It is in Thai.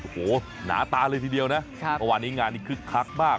โหหนาตาเลยทีเดียวนะเพราะวันนี้งานนี้คือคลักมาก